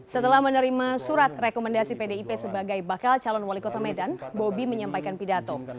setelah menerima surat rekomendasi pdip sebagai bakal calon wali kota medan bobi menyampaikan pidato